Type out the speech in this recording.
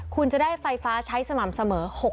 คุณจะได้ไฟฟ้าใช้สม่ำเสมอ